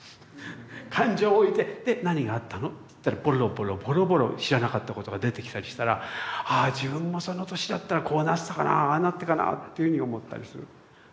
感情を置いて「で何があったの？」って言ったらボロボロボロボロ知らなかったことが出てきたりしたらああ自分もその年だったらこうなってたかなぁああなったかなぁというふうに思ったりする。